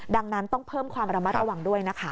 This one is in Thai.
ดังนั้นต้องเพิ่มความระมัดระวังด้วยนะคะ